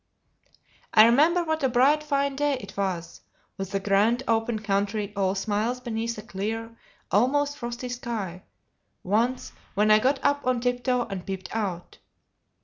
I remember what a bright fine day it was, with the grand open country all smiles beneath a clear, almost frosty sky, once when I got up on tip toe and peeped out.